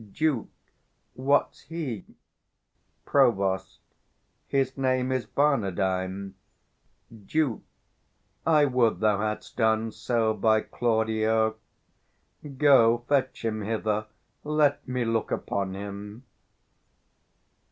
Duke. What's he? Prov. His name is Barnardine. 465 Duke. I would thou hadst done so by Claudio. Go fetch him hither; let me look upon him.